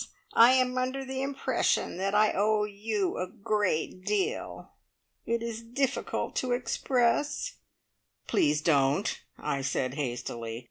I am under the impression that I owe you a great deal. It is difficult to express " "Please don't!" I said hastily.